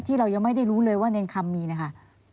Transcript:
เรายังไม่ได้รู้เลยว่าเนรคำมีนะคะ